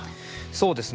そうですね。